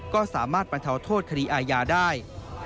ก็สามารถบรรเทาโทษคดีอาญาได้